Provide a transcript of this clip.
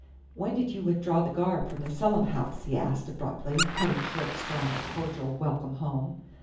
"When did you withdraw the guard from the Selim house?" he asked abruptly, cutting short Strawn's cordial welcome home.